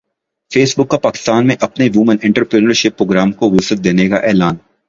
face بک کا پاکستان میں اپنے وومن انٹرپرینیورشپ پروگرام کو وسعت دینے کا اعلان